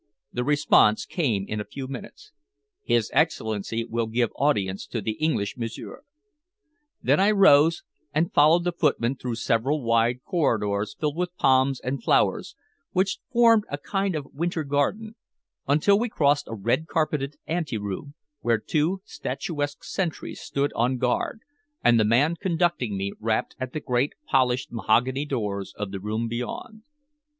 The response came in a few minutes. "His Excellency will give audience to the English m'sieur." Then I rose and followed the footman through several wide corridors filled with palms and flowers, which formed a kind of winter garden, until we crossed a red carpeted ante room, where two statuesque sentries stood on guard, and the man conducting me rapped at the great polished mahogany doors of the room beyond.